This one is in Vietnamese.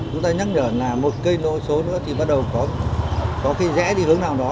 mà một cây nội số nữa thì bắt đầu có khi rẽ đi hướng nào đó